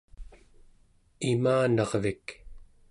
imanarvik